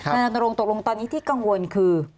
นายรณรงค์ตกลงตอนนี้ที่กังวลคือ